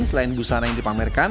selain busana yang dipamerkan